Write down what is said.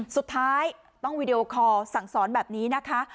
สุดท้ายต้องวีดีโอคอร์สั่งสอนแบบนี้นะคะ